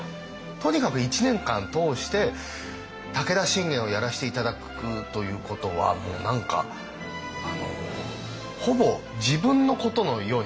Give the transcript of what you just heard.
とにかく１年間通して武田信玄をやらせて頂くということはもう何かほぼ自分のことのようになりましたね。